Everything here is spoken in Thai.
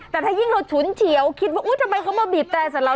แต่ถ้ายิ่งเราฉุนเฉียวคิดว่าอุ๊ยทำไมเขามาบีบแตรใส่เรา